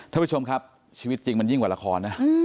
ท่านผู้ชมครับชีวิตจริงมันยิ่งกว่าละครนะ